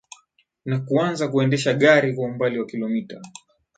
Na kuanza kuendesha gari kwa umbali wa kilomita